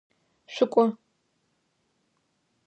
Шъукӏо!